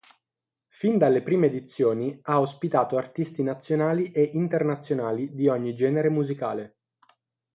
Fin dalle prime edizioni ha ospitato artisti nazionali e internazionali di ogni genere musicale.